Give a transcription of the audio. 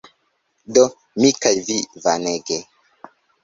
Do, mi kaj vi Vanege